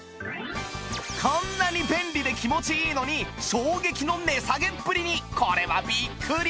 こんなに便利で気持ちいいのに衝撃の値下げっぷりにこれはびっくりですよ！